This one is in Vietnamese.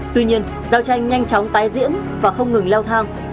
tuy nhiên giao tranh nhanh chóng tái diễn và không ngừng leo thang